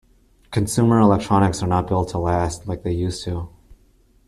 Consumer electronics are not built to last like they used to.